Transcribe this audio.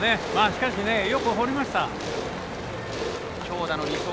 しかし、よく放りました。